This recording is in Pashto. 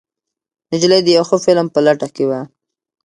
نجلۍ د یو ښه فلم په لټه کې وه.